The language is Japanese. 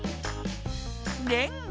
レンガ。